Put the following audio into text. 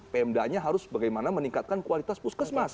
pmd nya harus bagaimana meningkatkan kualitas puskesmas